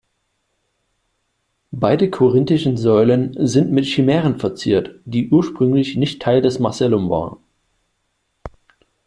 Beide korinthischen Säulen sind mit Chimären verziert, die ursprünglich nicht Teil des Macellum waren.